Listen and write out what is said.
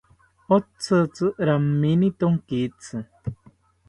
Otzitzi ramini tonkitzi